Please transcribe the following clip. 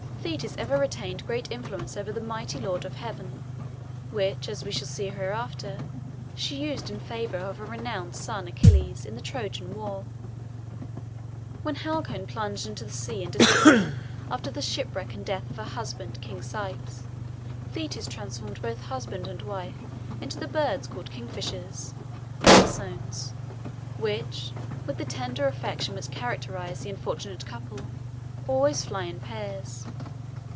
Thetis ever retained great influence over the mighty lord of heaven, which, as we shall see hereafter, she used in favour of her renowned son, Achilles, in the Trojan War. When Halcyone plunged into the sea in despair after the shipwreck and death of her husband King Ceyx, Thetis transformed both husband and wife into the birds called kingfishers (halcyones), which, with the tender affection which characterized the unfortunate couple, always fly in pairs.